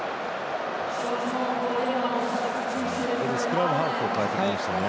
スクラムハーフを代えてきましたね。